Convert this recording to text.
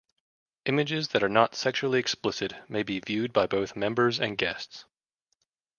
Images that are not sexually explicit may be viewed by both members and guests.